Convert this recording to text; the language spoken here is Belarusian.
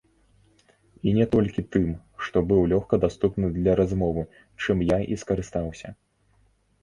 І не толькі тым, што быў лёгка даступны для размовы, чым я і скарыстаўся.